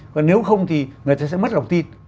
còn nếu không thì người ta sẽ mất lòng tin